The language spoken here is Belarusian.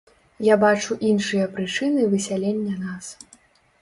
Я бачу іншыя прычыны высялення нас.